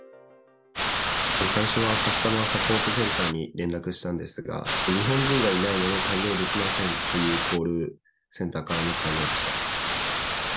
最初はカスタマーサポートセンターに連絡したんですが、日本人がいないので対応できませんというコールセンターからの対応でした。